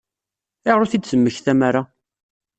Ayɣer ur t-id-temmektam ara?